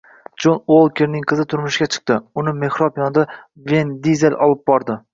Pol Uokerning qizi turmushga chiqdi, uni mehrob yoniga Vin Dizel olib bordi